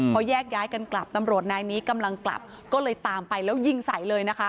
พอแยกย้ายกันกลับตำรวจนายนี้กำลังกลับก็เลยตามไปแล้วยิงใส่เลยนะคะ